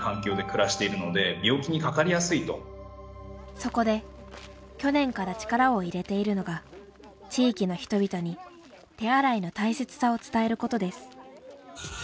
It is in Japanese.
そこで去年から力を入れているのが地域の人々に手洗いの大切さを伝えることです。